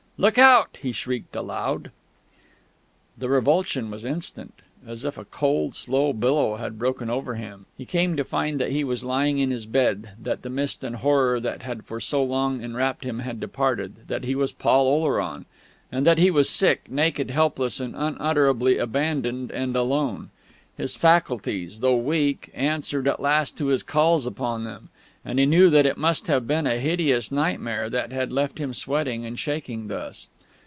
"Look out!" he shrieked aloud.... The revulsion was instant. As if a cold slow billow had broken over him, he came to to find that he was lying in his bed, that the mist and horror that had for so long enwrapped him had departed, that he was Paul Oleron, and that he was sick, naked, helpless, and unutterably abandoned and alone. His faculties, though weak, answered at last to his calls upon them; and he knew that it must have been a hideous nightmare that had left him sweating and shaking thus.